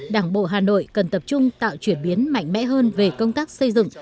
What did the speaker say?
đảng bộ hà nội cần tập trung tạo chuyển biến mạnh mẽ hơn về công tác xây dựng